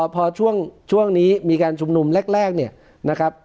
พอช่วงนี้มีการชุมนุมแรกเนี่ยนะครับ